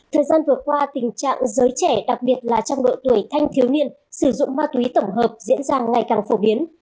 thời gian vừa qua tình trạng giới trẻ đặc biệt là trong độ tuổi thanh thiếu niên sử dụng ma túy tổng hợp diễn ra ngày càng phổ biến